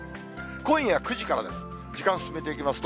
今夜９時からです。